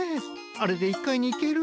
あれで１かいにいける？